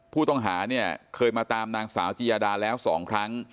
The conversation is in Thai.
ผู้ต้องหาเนี่ยเคยมาตามนางสาวจิยาดาแล้ว๒ครั้ง